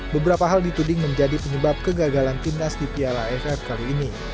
beberapa hal dituding menjadi penyebab kegagalan timnas di piala aff kali ini